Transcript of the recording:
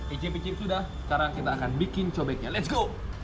ejepicip sudah sekarang kita akan bikin cobeknya let's go